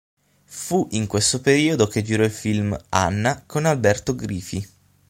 Fu in questo periodo che girò il film "Anna" con Alberto Grifi.